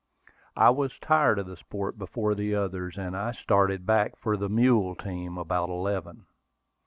I was tired of the sport before the others, and I started back for the mule team about eleven.